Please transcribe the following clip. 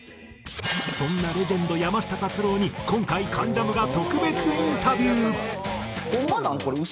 そんなレジェンド山下達郎に今回『関ジャム』が特別インタビュー。